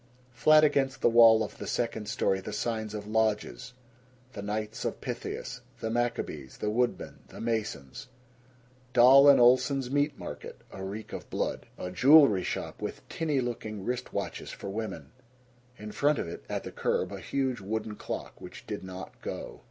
Flat against the wall of the second story the signs of lodges the Knights of Pythias, the Maccabees, the Woodmen, the Masons. Dahl & Oleson's Meat Market a reek of blood. A jewelry shop with tinny looking wrist watches for women. In front of it, at the curb, a huge wooden clock which did not go.